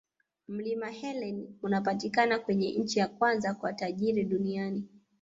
Mlima helen unapatikana kwenye nchi ya kwanza kwa tajiri duniani